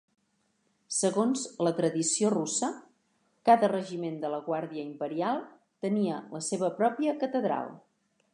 Segons la tradició russa, cada regiment de la guàrdia imperial tenia la seva pròpia catedral.